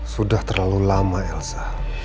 sudah terlalu lama elsa